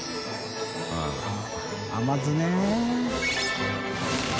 △甘酢ね。